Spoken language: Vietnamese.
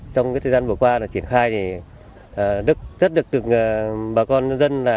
trong thời gian vừa qua triển khai thì rất được từng bà con nhân dân